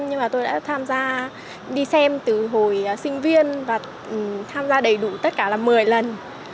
nhưng mà tôi đã tham gia đi xem từ hồi sinh viên và tham gia đầy đủ tất cả là một mươi lần